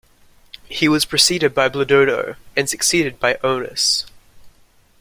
He was preceded by Bledudo and succeeded by Oenus.